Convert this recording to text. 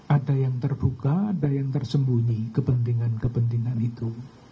ada yang terbuka ada yang tersembunyi kepentingan kepentingan itu